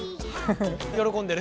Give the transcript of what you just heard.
喜んでる。